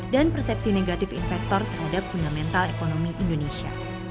dan persepsi negatif investor terhadap fundamental ekonomi indonesia